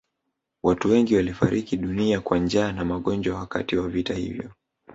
Watu wengi walifariki dunia kwa njaa na magonjwa wakati wa vita hivyo